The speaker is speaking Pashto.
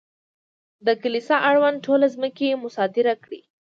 د کلیسا اړونده ټولې ځمکې مصادره کړې.